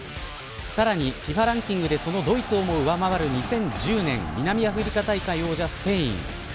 さらに、ＦＩＦＡランキングでそのドイツをも上回る２０１０年南アフリカ大会王者、スペイン。